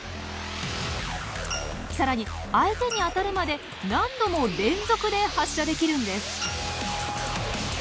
更に相手に当たるまで何度も連続で発射できるんです。